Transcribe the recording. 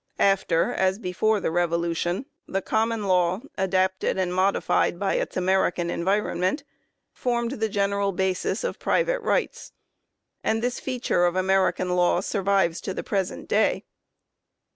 After, as before the Revolu tion, the Common Law, adapted and modified by its' American environment, formed the general basis of private rights ; and this feature of American law survives to the present day.